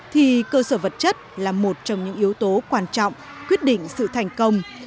thì cơ sở vật chất là một trong những yếu tố quan trọng quyết định sự thành công